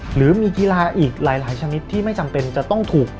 หรือมีกีฬาอีกหลายชนิดที่ไม่จำเป็นจะต้องถูก